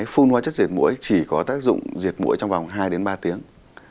phun hóa chất diệt mũi chỉ có tác dụng diệt mũi trong vòng hai đến ba tiếng